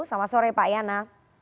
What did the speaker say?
selamat sore pak yana